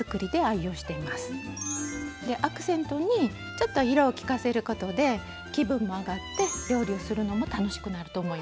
アクセントにちょっと色をきかせることで気分も上がって料理をするのも楽しくなると思います。